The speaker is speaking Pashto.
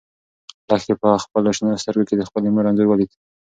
لښتې په خپلو شنه سترګو کې د خپلې مور انځور ولید.